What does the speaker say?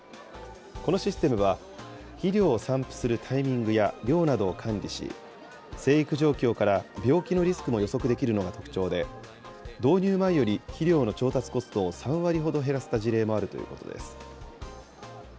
このシステムは、肥料を散布するタイミングや量などを管理し、生育状況から病気のリスクも予測できるのが特徴で、導入前より肥料の調達コストを３割ほど減らせた事例もあるということです。